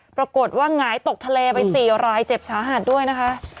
ปรากฏว่าหงายตกทะเลไป๔รายเจ็บสาหัสด้วยนะคะ